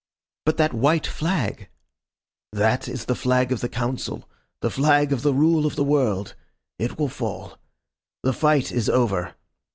"But that white flag " "That is the flag of the Council the flag of the Rule of the World. It will fall. The fight is over.